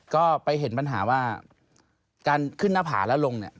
ก็ไปเห็นปัญหาว่าการขึ้นหน้าผาแล้วลงเนี่ย